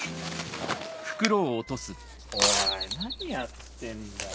おい何やってんだよ。